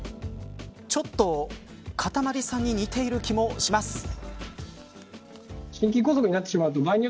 ちょっと、かたまりさんに似ている気もします。